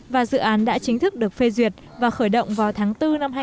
và dự án đã chính thức được phê duyệt và khởi động vào tháng bốn năm